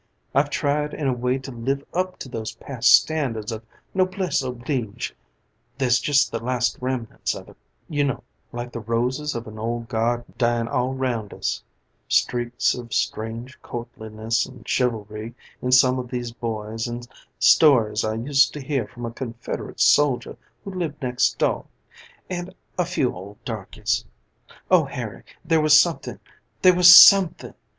I've tried in a way to live up to those past standards of noblesse oblige there's just the last remnants of it, you know, like the roses of an old garden dying all round us streaks of strange courtliness and chivalry in some of these boys an' stories I used to hear from a Confederate soldier who lived next door, and a few old darkies. Oh, Harry, there was something, there was something!